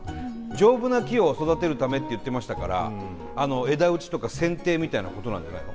丈夫な木を育てるためって言ってましたから枝打ちとかせんていみたいなことなんじゃないの？